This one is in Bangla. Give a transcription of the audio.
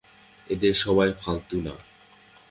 এদের সবাই ফালতু না।